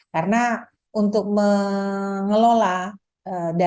karena untuk mengelola darah itu tidak boleh rumah sakit swasta